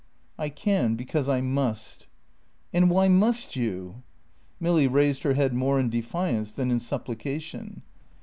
"I can because I must." "And why must you?" Milly raised her head more in defiance than in supplication.